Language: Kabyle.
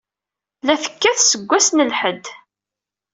La tekkat seg wass n lḥedd.